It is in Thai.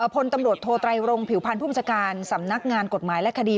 พลตำรวจโทไตรรงผิวพันธ์ผู้บัญชาการสำนักงานกฎหมายและคดี